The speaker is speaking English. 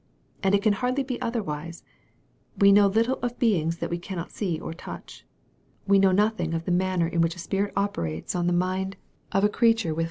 And it can hardly be otherwise, We know little of beings that we cannot see or touch. We know Dotliing of the manner in which a spirit operates on the iiind of a MARK, CHAP.